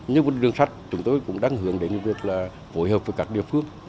như đường sắt chúng tôi cũng đang hướng đến những việc là phối hợp với các địa phương